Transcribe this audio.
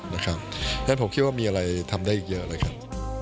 และผมคิดว่ามีอะไรทำได้อีกเยอะเลยครับ